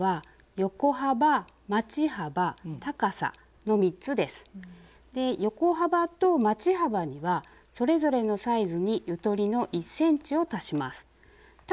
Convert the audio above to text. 横幅とまち幅にはそれぞれのサイズにゆとりの１ｃｍを足します。